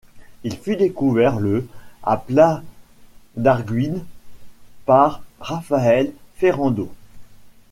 Il fut découvert le à Pla D'Arguines par Rafael Ferrando.